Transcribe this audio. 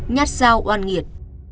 nhắc dao oan nghiệt